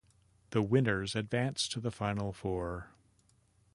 The winners advance to the Final Four.